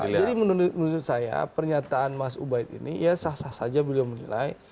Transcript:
jadi menurut saya pernyataan mas ubaid ini ya sah sah saja belum menilai